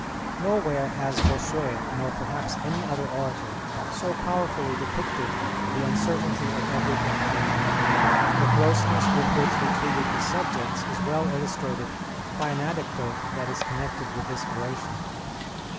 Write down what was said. Nowhere has Bossuet, nor perhaps any other orator, so powerfully depicted the uncertainty of everything human. The closeness with which he treated his subjects is well illustrated by an anecdote that is connected with this oration.